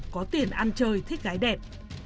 có tiền ăn chơi thích gái đẹp